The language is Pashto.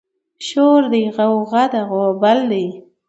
شور دی غوغه ده غوبل دی